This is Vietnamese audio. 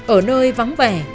ở nơi vắng vẻ